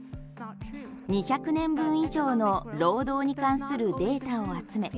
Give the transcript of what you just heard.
２００年分以上の労働に関するデータを集め